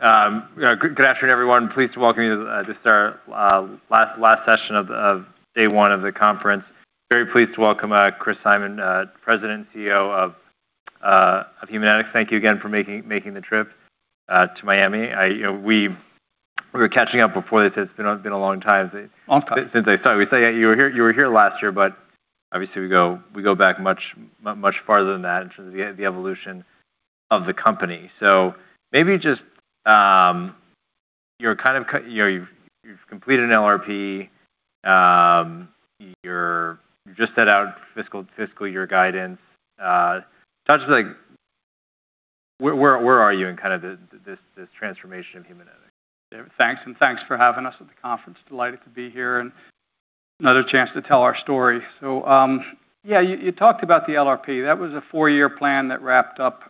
Good afternoon, everyone. Pleased to welcome you to this, our last session of day one of the conference. Very pleased to welcome Christopher Simon, President and CEO of Haemonetics. Thank you again for making the trip to Miami. We were catching up before this. It's been a long time- Long time. since I saw you. You were here last year, but obviously we go back much farther than that in terms of the evolution of the company. Maybe just, you've completed an LRP, you've just set out fiscal year guidance. Talk to us about where are you in this transformation of Haemonetics? Thanks, and thanks for having us at the conference. Delighted to be here, and another chance to tell our story. Yeah, you talked about the LRP. That was a four-year plan that wrapped up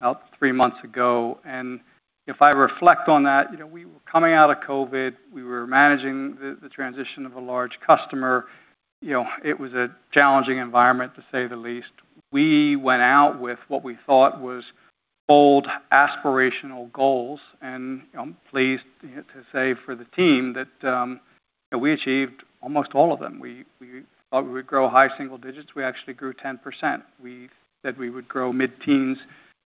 about three months ago. If I reflect on that, we were coming out of COVID, we were managing the transition of a large customer. It was a challenging environment, to say the least. We went out with what we thought was bold, aspirational goals, and I'm pleased to say for the team that we achieved almost all of them. We thought we would grow high single digits. We actually grew 10%. We said we would grow mid-teens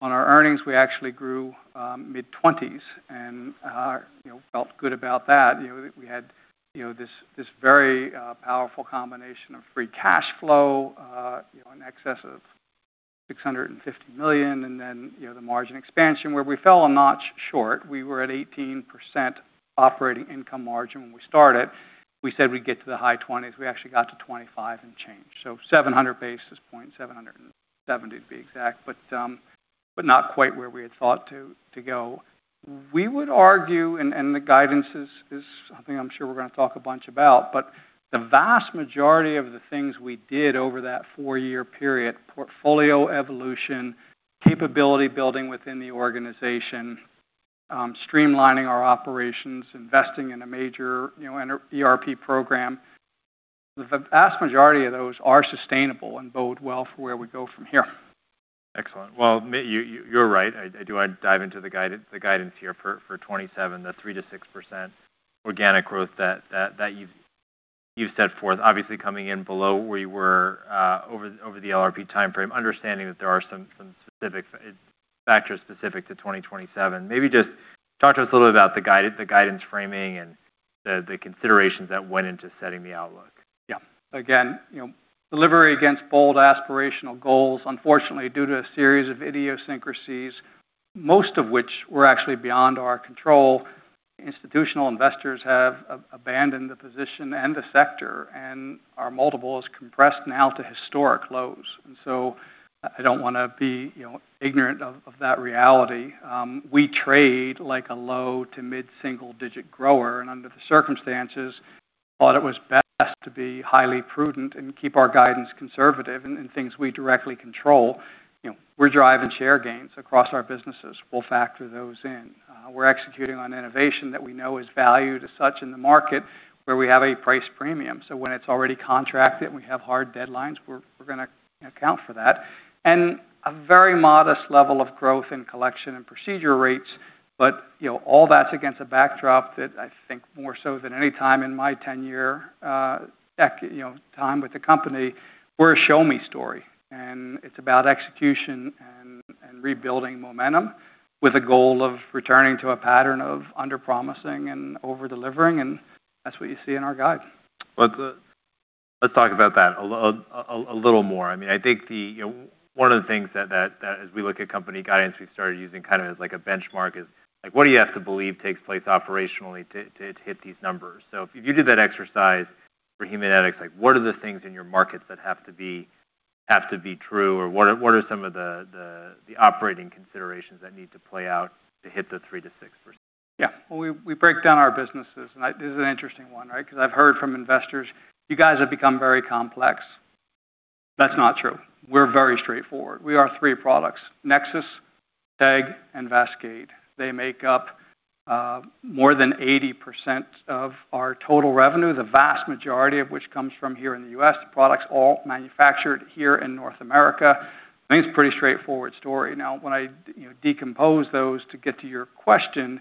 on our earnings. We actually grew mid-20%s and felt good about that. We had this very powerful combination of free cash flow in excess of $650 million. The margin expansion, where we fell a notch short. We were at 18% operating income margin when we started. We said we'd get to the high 20%s. We actually got to 25% and change, so 700 basis points, 770 to be exact, but not quite where we had thought to go. We would argue, and the guidance is something I'm sure we're going to talk a bunch about. The vast majority of the things we did over that four-year period, portfolio evolution, capability building within the organization, streamlining our operations, investing in a major ERP program, the vast majority of those are sustainable and bode well for where we go from here. Excellent. You're right. I do want to dive into the guidance here for FY 2027, the 3%-6% organic growth that you've set forth. Obviously, coming in below where you were over the LRP timeframe, understanding that there are some specific factors specific to 2027. Maybe just talk to us a little about the guidance framing and the considerations that went into setting the outlook. Again, delivery against bold, aspirational goals, unfortunately, due to a series of idiosyncrasies, most of which were actually beyond our control, institutional investors have abandoned the position and the sector, and our multiple is compressed now to historic lows. I don't want to be ignorant of that reality. We trade like a low to mid-single digit grower, and under the circumstances, thought it was best to be highly prudent and keep our guidance conservative in things we directly control. We're driving share gains across our businesses. We'll factor those in. We're executing on innovation that we know is valued as such in the market, where we have a price premium. When it's already contracted and we have hard deadlines, we're going to account for that. A very modest level of growth in collection and procedure rates, but all that's against a backdrop that I think more so than any time in my 10-year time with the company, we're a show-me story. It's about execution and rebuilding momentum with a goal of returning to a pattern of under-promising and over-delivering, and that's what you see in our guide. Let's talk about that a little more. I think one of the things that as we look at company guidance, we've started using as a benchmark is what do you have to believe takes place operationally to hit these numbers? If you did that exercise for Haemonetics, what are the things in your markets that have to be true, or what are some of the operating considerations that need to play out to hit the 3%-6%? Yeah. Well, we break down our businesses, and this is an interesting one, right? Because I've heard from investors, "You guys have become very complex." That's not true. We're very straightforward. We are three products, NexSys, TEG, and VASCADE. They make up more than 80% of our total revenue, the vast majority of which comes from here in the U.S., the products all manufactured here in North America. I think it's a pretty straightforward story. When I decompose those to get to your question,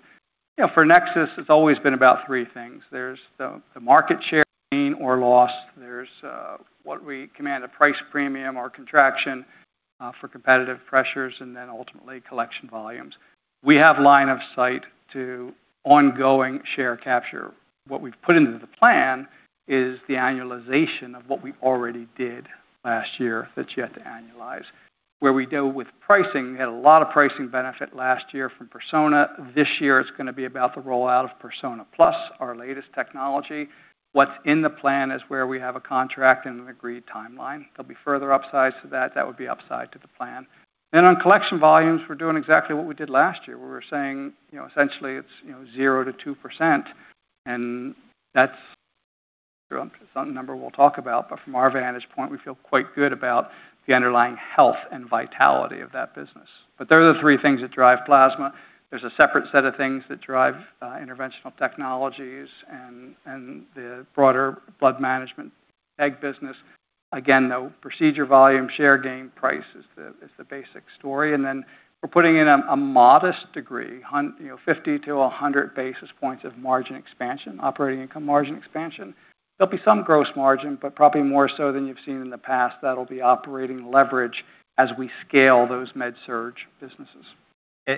for NexSys, it's always been about three things. There's the market share gain or loss. There's what we command, a price premium or contraction for competitive pressures, and then ultimately collection volumes. We have line of sight to ongoing share capture. What we've put into the plan is the annualization of what we already did last year that's yet to annualize. Where we deal with pricing, we had a lot of pricing benefit last year from Persona. This year, it's going to be about the rollout of Persona PLUS, our latest technology. What's in the plan is where we have a contract and an agreed timeline. There will be further upsides to that. That would be upside to the plan. On collection volumes, we're doing exactly what we did last year, where we're saying essentially it's 0%-2%, and that's some number we'll talk about. From our vantage point, we feel quite good about the underlying health and vitality of that business. They're the three things that drive plasma. There's a separate set of things that drive interventional technologies and the broader blood management TEG business, again, though, procedure volume, share gain price is the basic story. We're putting in a modest degree, 50-100 basis points of margin expansion, operating income margin expansion. There will be some gross margin, but probably more so than you've seen in the past, that will be operating leverage as we scale those med-surg businesses. I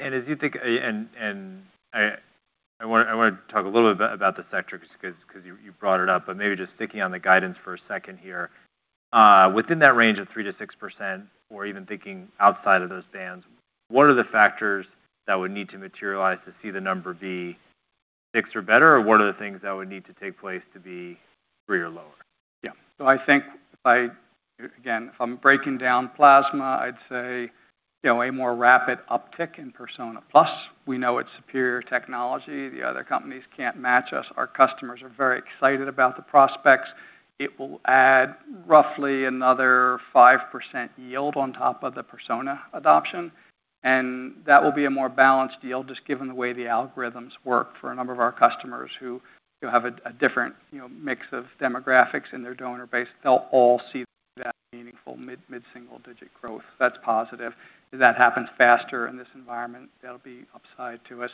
want to talk a little bit about the sector just because you brought it up, but maybe just sticking on the guidance for a second here. Within that range of 3%-6%, or even thinking outside of those bands, what are the factors that would need to materialize to see the number be 6% or better, or what are the things that would need to take place to be 3% or lower? I think if I, again, if I'm breaking down plasma, I'd say a more rapid uptick in Persona PLUS. We know it's superior technology. The other companies can't match us. Our customers are very excited about the prospects. It will add roughly another 5% yield on top of the Persona adoption, and that will be a more balanced yield, just given the way the algorithms work for a number of our customers who have a different mix of demographics in their donor base. They'll all see that meaningful mid-single-digit growth. That's positive. If that happens faster in this environment, that'll be upside to us.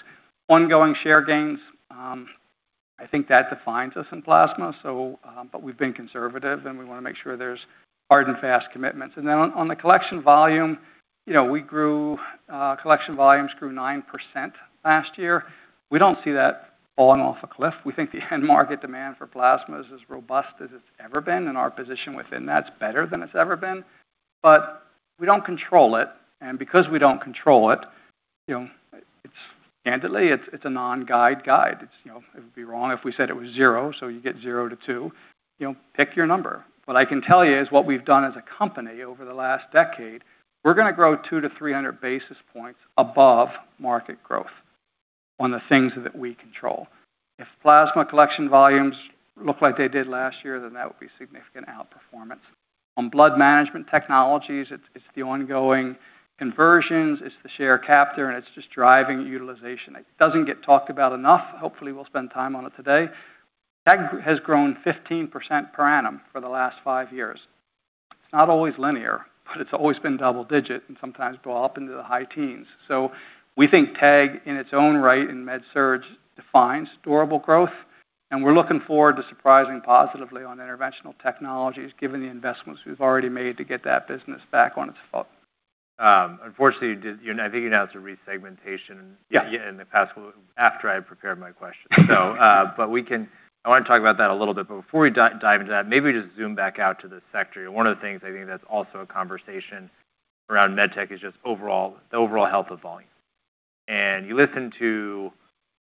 Ongoing share gains, I think that defines us in plasma, but we've been conservative, and we want to make sure there's hard and fast commitments. On the collection volume, collection volumes grew 9% last year. We don't see that falling off a cliff. We think the end market demand for plasma is as robust as it's ever been, and our position within that's better than it's ever been. We don't control it, and because we don't control it, candidly, it's a non-guide guide. It would be wrong if we said it was 0%, so you get 0%-2%. Pick your number. What I can tell you is what we've done as a company over the last decade, we're going to grow 200-300 basis points above market growth on the things that we control. If plasma collection volumes look like they did last year, then that would be significant outperformance. On blood management technologies, it's the ongoing conversions, it's the share captor, and it's just driving utilization. It doesn't get talked about enough. Hopefully, we'll spend time on it today. That has grown 15% per annum for the last five years. It's not always linear, but it's always been double-digit and sometimes go up into the high teens. We think TEG, in its own right in med-surg, defines durable growth, and we're looking forward to surprising positively on interventional technologies, given the investments we've already made to get that business back on its foot. Unfortunately, I think you announced a re-segmentation. Yeah in the past, after I prepared my question. I want to talk about that a little bit. Before we dive into that, maybe just zoom back out to the sector. One of the things I think that's also a conversation around MedTech is just the overall health of volume. You listen to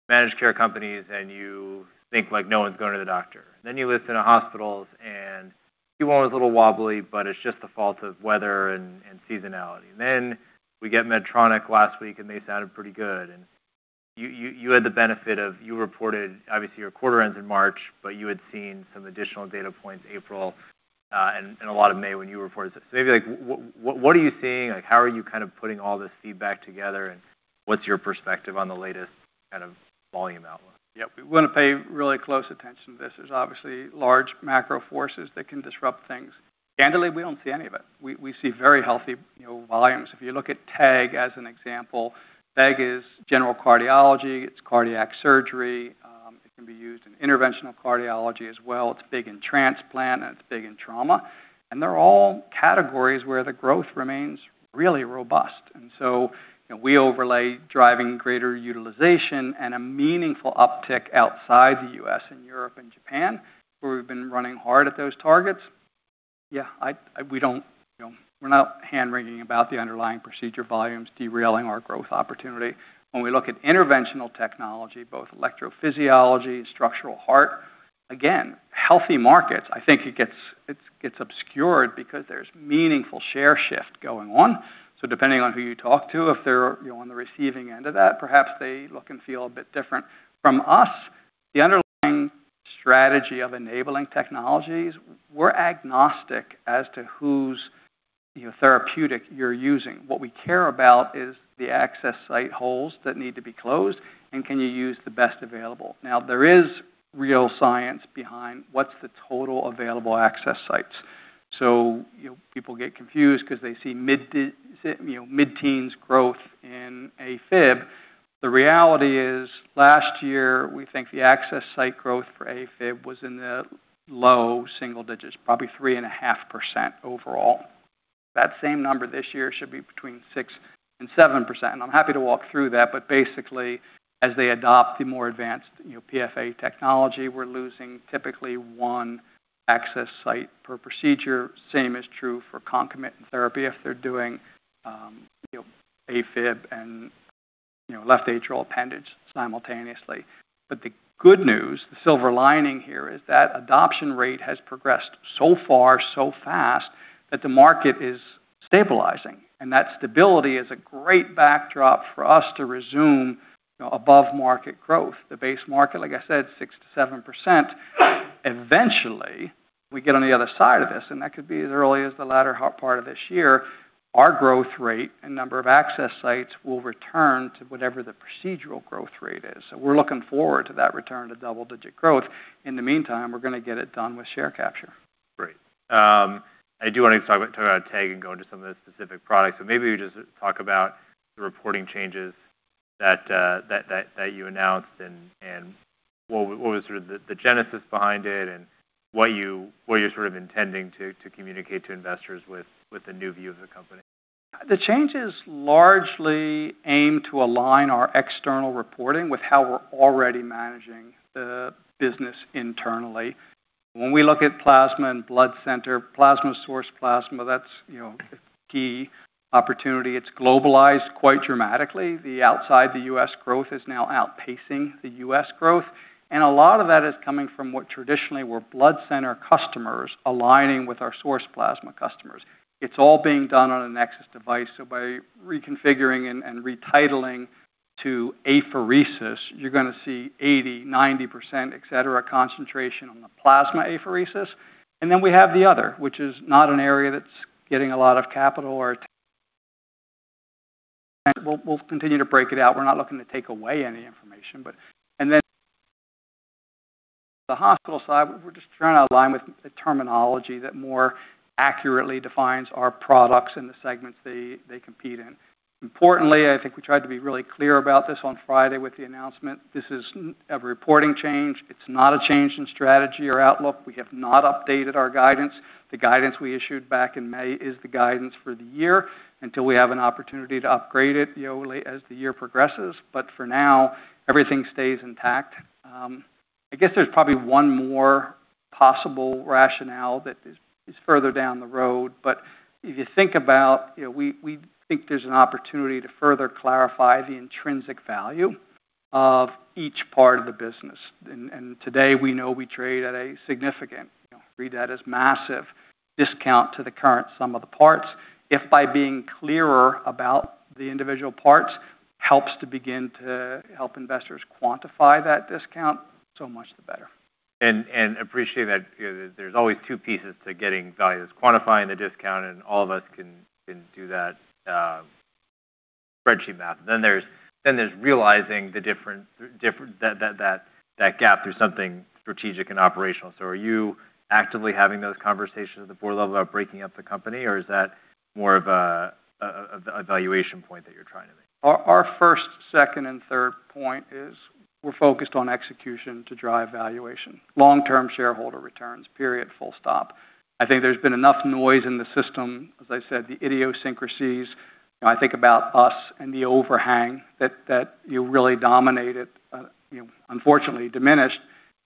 managed care companies and you think like, no one's going to the doctor. You listen to hospitals and Q1 was a little wobbly, but it's just the fault of weather and seasonality. We get Medtronic last week, and they sounded pretty good. You had the benefit of, you reported, obviously, your quarter ends in March, but you had seen some additional data points April and a lot of May when you reported this. Maybe what are you seeing? How are you kind of putting all this feedback together, and what's your perspective on the latest kind of volume outlook? Yeah. We want to pay really close attention to this. There's obviously large macro forces that can disrupt things. Candidly, we don't see any of it. We see very healthy volumes. If you look at TEG as an example, TEG is general cardiology, it's cardiac surgery, it can be used in interventional cardiology as well. It's big in transplant, and it's big in trauma. They're all categories where the growth remains really robust. We overlay driving greater utilization and a meaningful uptick outside the U.S. and Europe and Japan, where we've been running hard at those targets. Yeah, we're not hand-wringing about the underlying procedure volumes derailing our growth opportunity. When we look at interventional technology, both electrophysiology and structural heart, again, healthy markets. I think it gets obscured because there's meaningful share shift going on. Depending on who you talk to, if they're on the receiving end of that, perhaps they look and feel a bit different from us. The underlying strategy of enabling technologies, we're agnostic as to whose therapeutic you're using. What we care about is the access site holes that need to be closed, and can you use the best available? There is real science behind what's the total available access sites. People get confused because they see mid-teens growth in AFib. The reality is, last year, we think the access site growth for AFib was in the low single digits, probably 3.5% overall. That same number this year should be between 6% and 7%. I'm happy to walk through that, but basically, as they adopt the more advanced PFA technology, we're losing typically one access site per procedure. Same is true for concomitant therapy if they're doing AFib and left atrial appendage simultaneously. The good news, the silver lining here is that adoption rate has progressed so far so fast that the market is stabilizing, and that stability is a great backdrop for us to resume above-market growth. The base market, like I said, 6%-7%. Eventually, we get on the other side of this, and that could be as early as the latter part of this year. Our growth rate and number of access sites will return to whatever the procedural growth rate is. We're looking forward to that return to double-digit growth. In the meantime, we're going to get it done with share capture. Great. I do want to talk about TEG and go into some of the specific products. Maybe you just talk about the reporting changes that you announced and what was sort of the genesis behind it and what you're sort of intending to communicate to investors with the new view of the company. The changes largely aim to align our external reporting with how we're already managing the business internally. When we look at plasma and blood center, Source Plasma, that's a key opportunity. It's globalized quite dramatically. The outside the U.S. growth is now outpacing the U.S. growth, and a lot of that is coming from what traditionally were blood center customers aligning with our Source Plasma customers. It's all being done on a NexSys device. By reconfiguring and retitling to apheresis, you're going to see 80%-90%, et cetera, concentration on the plasma apheresis. Then we have the other, which is not an area that's getting a lot of capital or. We'll continue to break it out. We're not looking to take away any information. The hospital side, we're just trying to align with the terminology that more accurately defines our products and the segments they compete in. Importantly, I think we tried to be really clear about this on Friday with the announcement. This is a reporting change. It's not a change in strategy or outlook. We have not updated our guidance. The guidance we issued back in May is the guidance for the year until we have an opportunity to upgrade it as the year progresses. For now, everything stays intact. I guess there's probably one more possible rationale that is further down the road. If you think about it, we think there's an opportunity to further clarify the intrinsic value of each part of the business. Today we know we trade at a significant, read that as massive discount to the current sum of the parts. If by being clearer about the individual parts helps to begin to help investors quantify that discount, so much the better. Appreciate that there's always two pieces to getting value. There's quantifying the discount and all of us can do that spreadsheet math. There's realizing the different that gap through something strategic and operational. Are you actively having those conversations at the board level about breaking up the company, or is that more of a valuation point that you're trying to make? Our first, second, and third point is we're focused on execution to drive valuation, long-term shareholder returns, period, full stop. I think there's been enough noise in the system, as I said, the idiosyncrasies, I think about us and the overhang that you really dominated, unfortunately diminished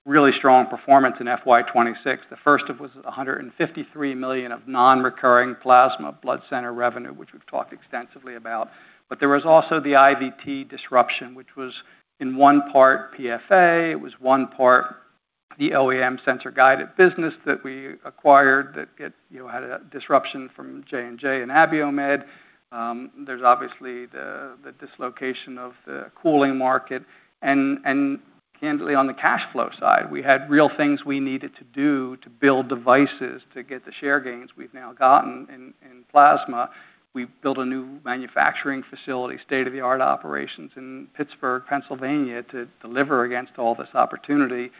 really strong performance in FY 2026. The first of was $153 million of non-recurring plasma blood center revenue, which we've talked extensively about. There was also the IVT disruption, which was in one part PFA, it was one part the OEM sensor guided business that we acquired that had a disruption from J&J and Abiomed. There's obviously the dislocation of the cooling market. Candidly, on the cash flow side, we had real things we needed to do to build devices to get the share gains we've now gotten in plasma. We built a new manufacturing facility, state-of-the-art operations in Pittsburgh, Pennsylvania, to deliver against all this opportunity,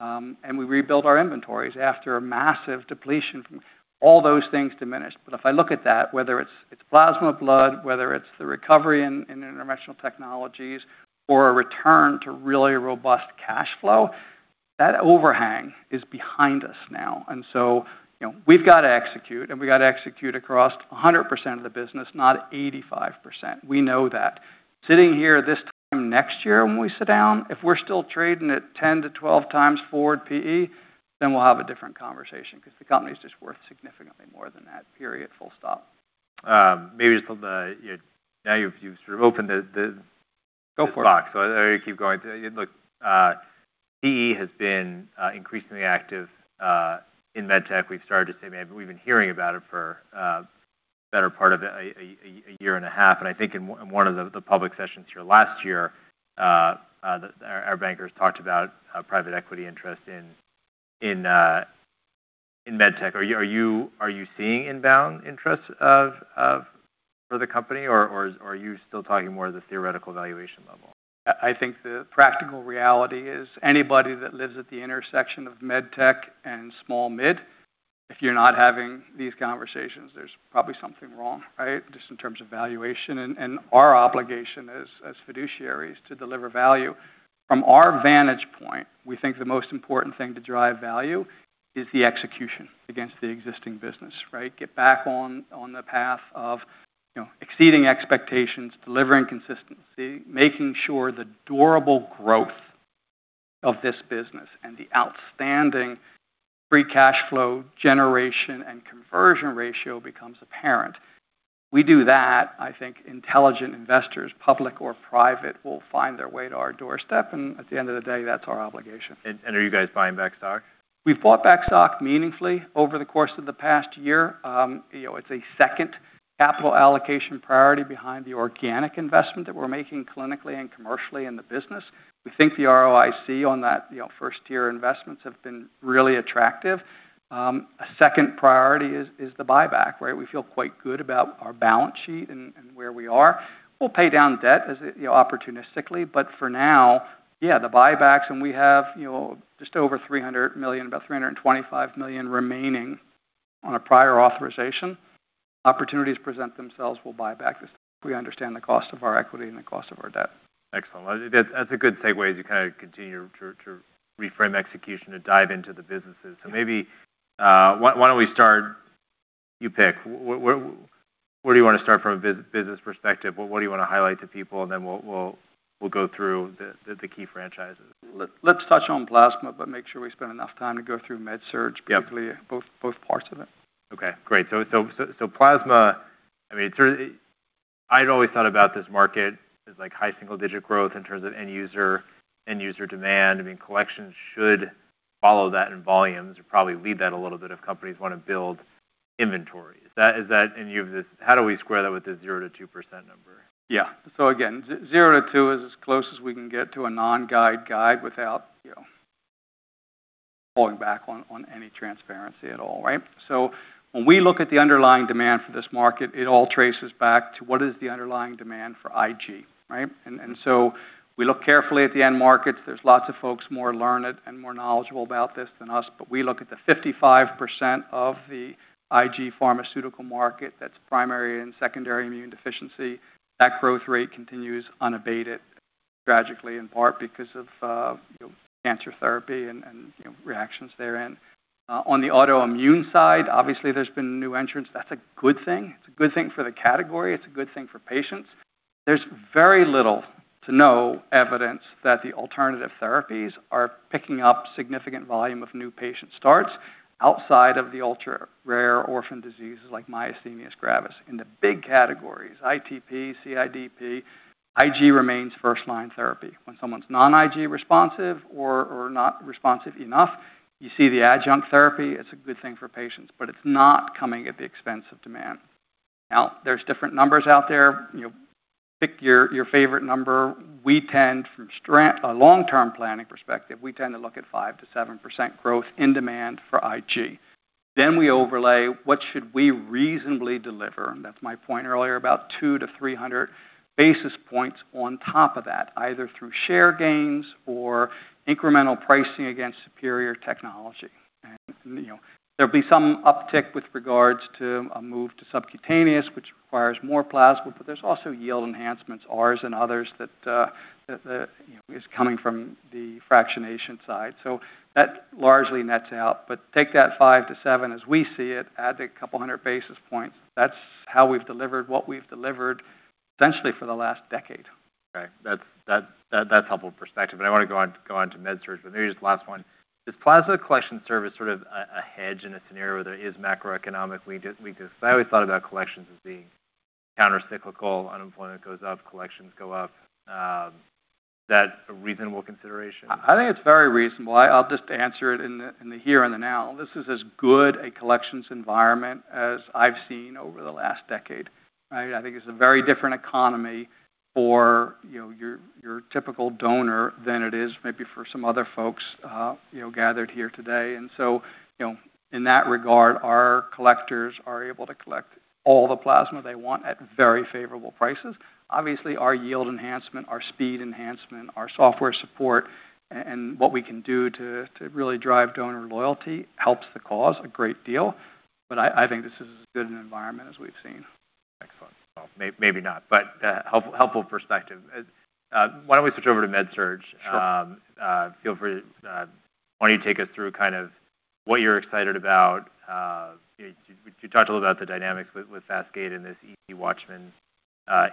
and we rebuilt our inventories after a massive depletion from all those things diminished. If I look at that, whether it's plasma, blood, whether it's the recovery in interventional technologies or a return to really robust cash flow, that overhang is behind us now. We've got to execute, and we got to execute across 100% of the business, not 85%. We know that. Sitting here this time next year when we sit down, if we're still trading at 10-12 times forward PE, then we'll have a different conversation because the company is just worth significantly more than that, period, full stop. Maybe just on the. Now you've sort of opened this. Go for it. box. I'll let you keep going. Look, PE has been increasingly active in MedTech. We've started to say, maybe we've been hearing about it for the better part of a year and a half, and I think in one of the public sessions here last year, our bankers talked about private equity interest in MedTech. Are you seeing inbound interest for the company, or are you still talking more the theoretical valuation level? I think the practical reality is anybody that lives at the intersection of MedTech and small mid, if you're not having these conversations, there's probably something wrong, right? Just in terms of valuation and our obligation as fiduciaries to deliver value. From our vantage point, we think the most important thing to drive value is the execution against the existing business, right? Get back on the path of exceeding expectations, delivering consistency, making sure the durable growth of this business and the outstanding free cash flow generation and conversion ratio becomes apparent. We do that, I think intelligent investors, public or private, will find their way to our doorstep, and at the end of the day, that's our obligation. Are you guys buying back stock? We've bought back stock meaningfully over the course of the past year. It's a second capital allocation priority behind the organic investment that we're making clinically and commercially in the business. We think the ROIC on that first-tier investments have been really attractive. A second priority is the buyback. We feel quite good about our balance sheet and where we are. We'll pay down debt opportunistically. For now, yeah, the buybacks, and we have just over $300 million, about $325 million remaining on a prior authorization. Opportunities present themselves, we'll buy back the stock. We understand the cost of our equity and the cost of our debt. Excellent. That's a good segue as you continue to reframe execution and dive into the businesses. Maybe, why don't we start, you pick. Where do you want to start from a business perspective? What do you want to highlight to people? Then we'll go through the key franchises. Let's touch on plasma, but make sure we spend enough time to go through med-surg. Yep particularly both parts of it. Okay, great. Plasma, I'd always thought about this market as high single-digit growth in terms of end-user demand. Collections should follow that in volumes, or probably lead that a little bit if companies want to build inventory. How do we square that with the 0%-2% number? Yeah. Again, 0%-2% is as close as we can get to a non-guide guide without falling back on any transparency at all, right? When we look at the underlying demand for this market, it all traces back to what is the underlying demand for IG, right? We look carefully at the end markets. There's lots of folks more learned and more knowledgeable about this than us, but we look at the 55% of the IG pharmaceutical market that's primary and secondary immune deficiency. That growth rate continues unabated, tragically, in part because of cancer therapy and reactions therein. On the autoimmune side, obviously, there's been new entrants. That's a good thing. It's a good thing for the category. It's a good thing for patients. There's very little to no evidence that the alternative therapies are picking up significant volume of new patient starts outside of the ultra-rare orphan diseases like myasthenia gravis. In the big categories, ITP, CIDP, IG remains first-line therapy. When someone's non-IG responsive or not responsive enough, you see the adjunct therapy. It's a good thing for patients. It's not coming at the expense of demand. There's different numbers out there. Pick your favorite number. From a long-term planning perspective, we tend to look at 5%-7% growth in demand for IG. We overlay what should we reasonably deliver, and that's my point earlier, about 200-300 basis points on top of that, either through share gains or incremental pricing against superior technology. There'll be some uptick with regards to a move to subcutaneous, which requires more plasma, but there's also yield enhancements, ours and others that is coming from the fractionation side. That largely nets out. Take that 5%-7% as we see it, add a couple hundred basis points. That's how we've delivered what we've delivered, essentially for the last decade. That's helpful perspective. I want to go on to med-surg, but maybe just the last one. Does plasma collection serve as sort of a hedge in a scenario where there is macroeconomic weakness? I always thought about collections as being counter-cyclical. Unemployment goes up, collections go up. Is that a reasonable consideration? I think it's very reasonable. I'll just answer it in the here and the now. This is as good a collections environment as I've seen over the last decade. I think it's a very different economy for your typical donor than it is maybe for some other folks gathered here today. In that regard, our collectors are able to collect all the plasma they want at very favorable prices. Obviously, our yield enhancement, our speed enhancement, our software support, and what we can do to really drive donor loyalty helps the cause a great deal. I think this is as good an environment as we've seen. Excellent. Well, maybe not, but helpful perspective. Why don't we switch over to med-surg? Sure. Why don't you take us through what you're excited about? You talked a little about the dynamics with VASCADE and this EP WATCHMAN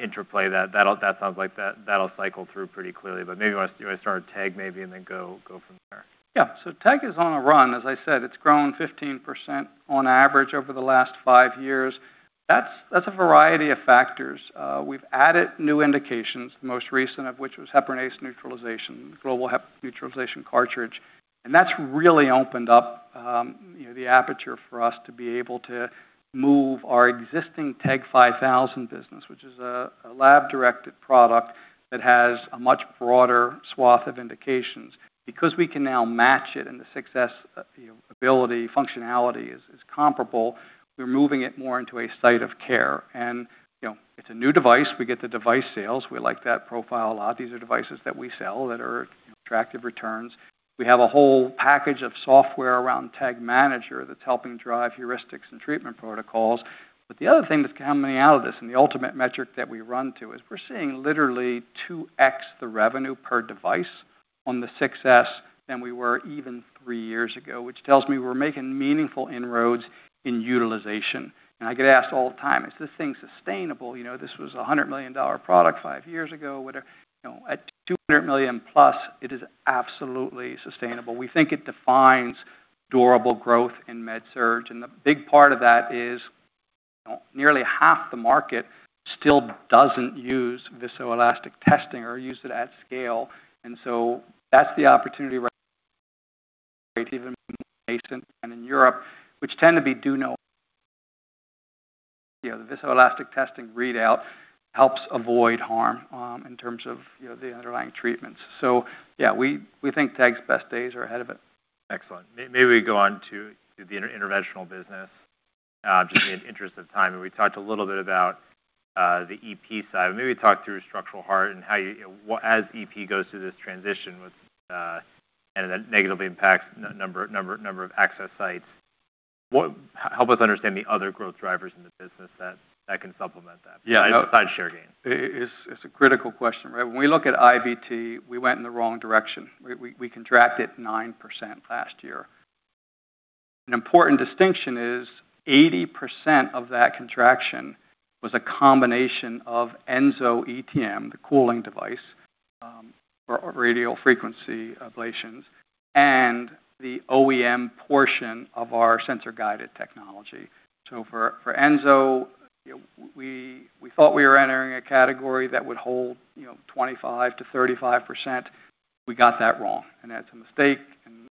interplay. That sounds like that'll cycle through pretty clearly, maybe you want to start with TEG maybe, and then go from there. Yeah. TEG is on a run. As I said, it's grown 15% on average over the last five years. That's a variety of factors. We've added new indications, the most recent of which was heparinase neutralization, global heparin neutralization cartridge, that's really opened up the aperture for us to be able to move our existing TEG 5000 business, which is a lab-directed product that has a much broader swath of indications. Because we can now match it and the success ability, functionality is comparable, we're moving it more into a site of care. It's a new device. We get the device sales. We like that profile a lot. These are devices that we sell that are attractive returns. We have a whole package of software around TEG Manager that's helping drive heuristics and treatment protocols. The other thing that's coming out of this and the ultimate metric that we run to is we're seeing literally 2x the revenue per device on the 6s than we were even three years ago, which tells me we're making meaningful inroads in utilization. I get asked all the time, "Is this thing sustainable? This was a $100 million product five years ago." At $200+ million, it is absolutely sustainable. We think it defines durable growth in med-surg, a big part of that is nearly half the market still doesn't use viscoelastic testing or use it at scale. That's the opportunity right there. Even in Europe, which tend to be do-no-The viscoelastic testing readout helps avoid harm in terms of the underlying treatments. Yeah, we think TEG's best days are ahead of it. Excellent. Maybe we go on to the interventional business, just in the interest of time. We talked a little bit about the EP side. Maybe talk through structural heart as EP goes through this transition. It negatively impacts number of access sites. Help us understand the other growth drivers in the business that can supplement that. Yeah. Besides share gains. It's a critical question, right? When we look at IVT, we went in the wrong direction. We contracted 9% last year. An important distinction is 80% of that contraction was a combination of ensoETM, the cooling device for radiofrequency ablations, and the OEM portion of our sensor-guided technology. For ensoETM, we thought we were entering a category that would hold 25%-35%. We got that wrong. That's a mistake. If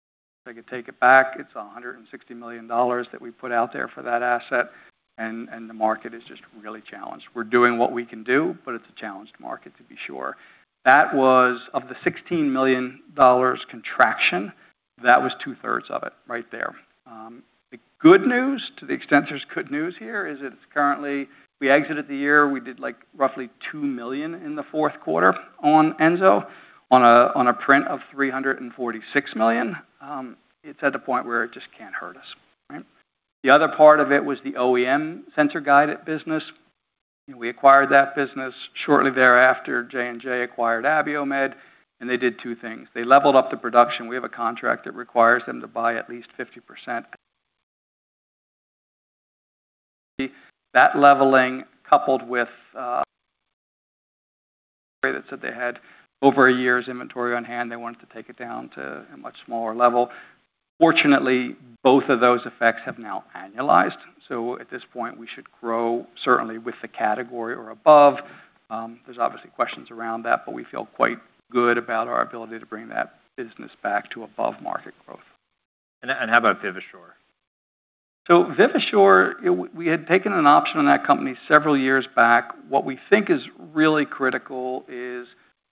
I could take it back, it's $160 million that we put out there for that asset. The market is just really challenged. We're doing what we can do, but it's a challenged market to be sure. That was of the $16 million contraction. That was two-thirds of it right there. We exited the year, we did roughly $2 million in the fourth quarter on ensoETM on a print of $346 million. It's at the point where it just can't hurt us. Right? The other part of it was the OEM sensor-guided business. We acquired that business. Shortly thereafter, J&J acquired Abiomed. They did two things. They leveled up the production. We have a contract that requires them to buy at least 50%. That leveling, coupled with that said they had over a year's inventory on hand. They wanted to take it down to a much smaller level. Fortunately, both of those effects have now annualized. At this point, we should grow certainly with the category or above. There's obviously questions around that, but we feel quite good about our ability to bring that business back to above-market growth. How about Vivasure? Vivasure, we had taken an option on that company several years back. What we think is really critical is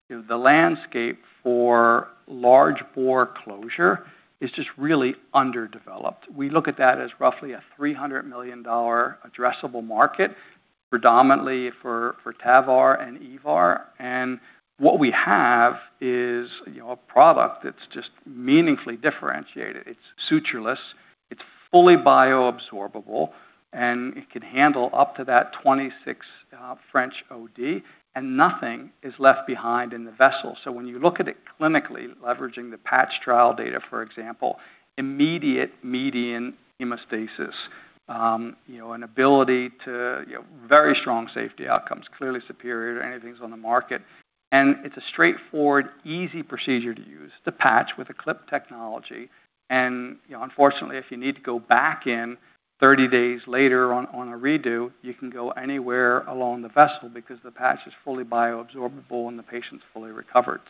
the landscape for large bore closure is just really underdeveloped. We look at that as roughly a $300 million addressable market, predominantly for TAVR and EVAR. What we have is a product that's just meaningfully differentiated. It's sutureless, it's fully bioabsorbable, and it can handle up to that 26 French OD, nothing is left behind in the vessel. When you look at it clinically, leveraging the PATCH trial data, for example, immediate median hemostasis. Very strong safety outcomes. Clearly superior to anything that's on the market. It's a straightforward, easy procedure to use, the patch with a clip technology. Unfortunately, if you need to go back in 30 days later on a redo, you can go anywhere along the vessel because the patch is fully bioabsorbable and the patient's fully recovered.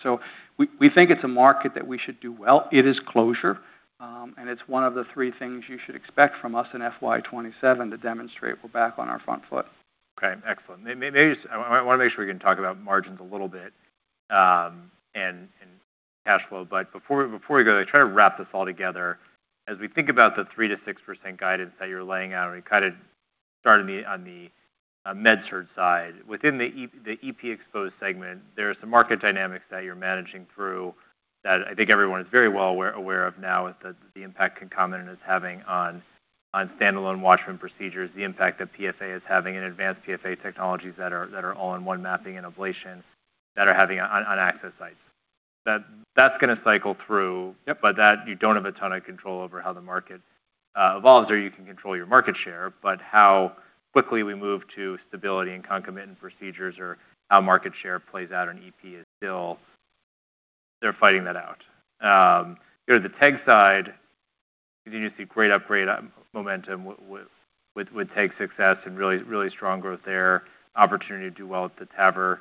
We think it's a market that we should do well. It is closure. It's one of the three things you should expect from us in FY 2027 to demonstrate we're back on our front foot. Okay, excellent. I want to make sure we can talk about margins a little bit, and cash flow. Before we go there, try to wrap this all together. As we think about the 3%-6% guidance that you're laying out, you kind of started me on the MedSurg side. Within the EP exposed segment, there are some market dynamics that you're managing through that I think everyone is very well aware of now, is the impact concomitant is having on standalone WATCHMAN procedures, the impact that PFA is having, and advanced PFA technologies that are all in one mapping and ablation that are having on access sites. That's going to cycle through. Yep. That you don't have a ton of control over how the market evolves. You can control your market share, but how quickly we move to stability and concomitant procedures or how market share plays out on EP is still they're fighting that out. Go to the TEG side, continue to see great upgrade momentum with TEG 6s and really strong growth there. Opportunity to do well with the TAVR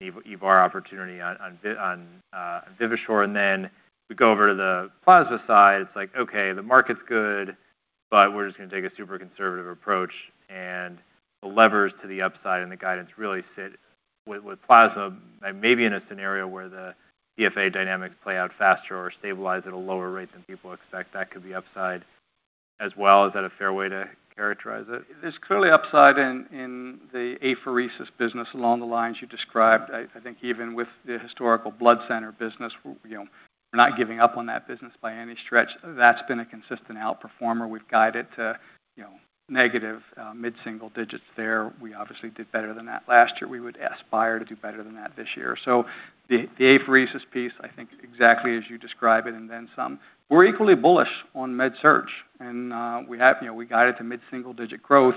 and EVAR opportunity on Vivasure. We go over to the plasma side. It's like, okay, the market's good, we're just going to take a super conservative approach and the levers to the upside and the guidance really sit with plasma. Maybe in a scenario where the PFA dynamics play out faster or stabilize at a lower rate than people expect. That could be upside as well. Is that a fair way to characterize it? There's clearly upside in the apheresis business along the lines you described. I think even with the historical blood center business, we're not giving up on that business by any stretch. That's been a consistent outperformer. We've guided to negative mid-single digits there. We obviously did better than that last year. We would aspire to do better than that this year. The apheresis piece, I think exactly as you describe it, and then some. We're equally bullish on MedSurg, we guide it to mid-single digit growth.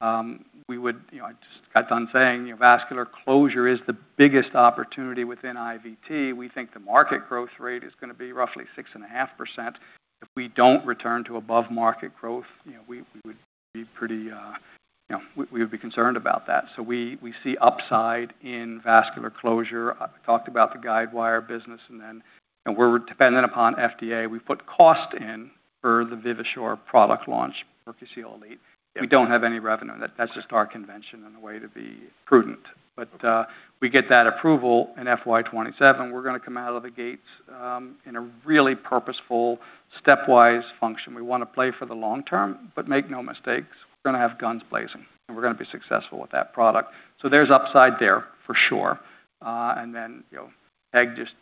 I just got done saying vascular closure is the biggest opportunity within IVT. We think the market growth rate is going to be roughly 6.5%. If we don't return to above-market growth, we would be concerned about that. We see upside in vascular closure. I talked about the guidewire business, where we're dependent upon FDA. We put cost in for the Vivasure product launch, PerQseal Elite, we don't have any revenue. That's just our convention and a way to be prudent. We get that approval in FY 2027, we're going to come out of the gates in a really purposeful, stepwise function. We want to play for the long term, make no mistakes, we're going to have guns blazing, and we're going to be successful with that product. There's upside there, for sure. TEG just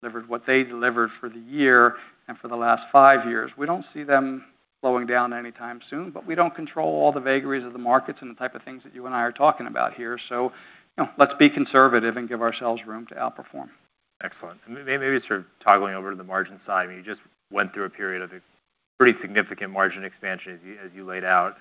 delivered what they delivered for the year and for the last five years. We don't see them slowing down anytime soon, we don't control all the vagaries of the markets and the type of things that you and I are talking about here. Let's be conservative and give ourselves room to outperform. Excellent. Maybe sort of toggling over to the margin side. You just went through a period of a pretty significant margin expansion as you laid out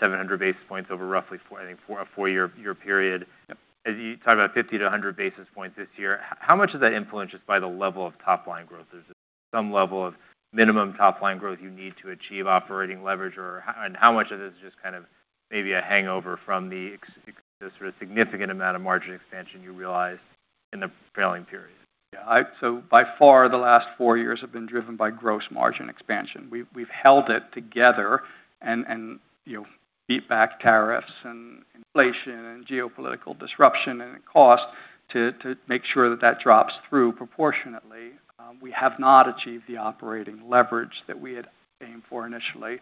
700 basis points over roughly, I think, a four-year period. Yep. As you talk about 50-100 basis points this year, how much is that influenced just by the level of top-line growth? There's just some level of minimum top-line growth you need to achieve operating leverage. How much of this is just maybe a hangover from the sort of significant amount of margin expansion you realized in the prevailing period? Yeah. By far, the last four years have been driven by gross margin expansion. We've held it together and beat back tariffs and inflation and geopolitical disruption and cost to make sure that that drops through proportionately. We have not achieved the operating leverage that we had aimed for initially.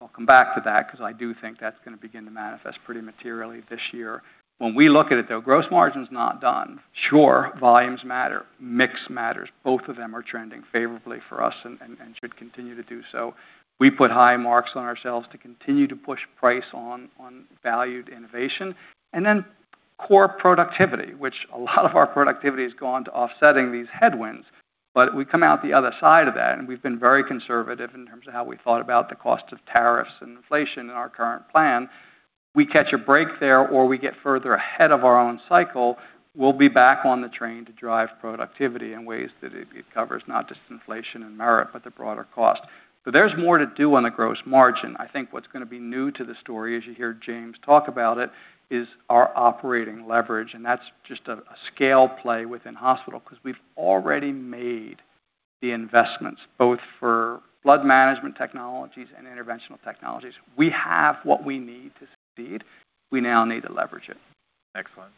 I'll come back to that because I do think that's going to begin to manifest pretty materially this year. When we look at it, though, gross margin's not done. Sure, volumes matter. Mix matters. Both of them are trending favorably for us and should continue to do so. We put high marks on ourselves to continue to push price on valued innovation. Core productivity, which a lot of our productivity has gone to offsetting these headwinds. We come out the other side of that, and we've been very conservative in terms of how we thought about the cost of tariffs and inflation in our current plan. We catch a break there, or we get further ahead of our own cycle, we'll be back on the train to drive productivity in ways that it covers not just inflation and merit, but the broader cost. There's more to do on the gross margin. I think what's going to be new to the story, as you hear James talk about it, is our operating leverage, and that's just a scale play within hospital because we've already made the investments both for blood management technologies and interventional technologies. We have what we need to succeed. We now need to leverage it. Excellent.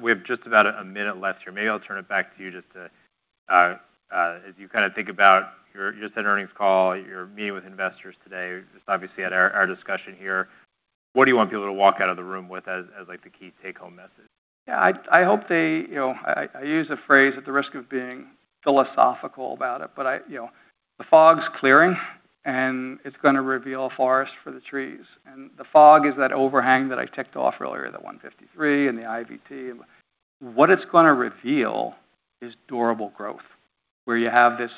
We have just about a minute left here. Maybe I'll turn it back to you as you think about your earnings call, your meeting with investors today, just obviously at our discussion here, what do you want people to walk out of the room with as the key take-home message? I use the phrase at the risk of being philosophical about it, the fog's clearing, and it's going to reveal a forest for the trees. The fog is that overhang that I ticked off earlier, the 153 and the IVT. What it's going to reveal is durable growth, where you have this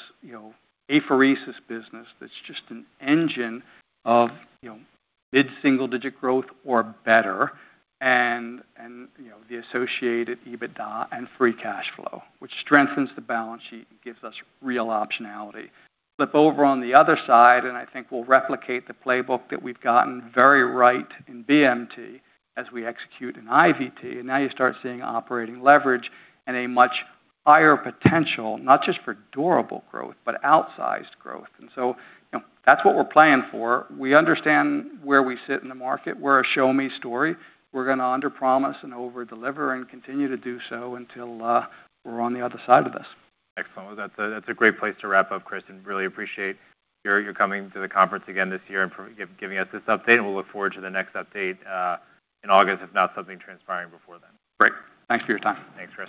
apheresis business that's just an engine of mid-single digit growth or better, and the associated EBITDA and free cash flow, which strengthens the balance sheet and gives us real optionality. Flip over on the other side, I think we'll replicate the playbook that we've gotten very right in BMT as we execute in IVT. Now you start seeing operating leverage and a much higher potential, not just for durable growth, but outsized growth. That's what we're planning for. We understand where we sit in the market. We're a show-me story. We're going to underpromise and overdeliver and continue to do so until we're on the other side of this. Excellent. That's a great place to wrap up, Chris, really appreciate your coming to the conference again this year and giving us this update, we'll look forward to the next update in August, if not something transpiring before then. Great. Thanks for your time. Thanks, Chris.